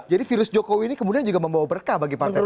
jadi virus jokowi ini kemudian juga membawa berkah bagi partai partai